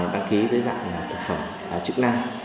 đăng ký dưới dạng là thực phẩm chức năng